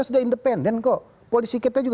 sudah independen kok polisi kita juga